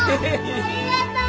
ありがとう。